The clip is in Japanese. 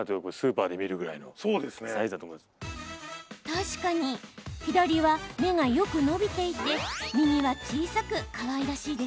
確かに左は芽がよく伸びていて右は小さくかわいらしいですね。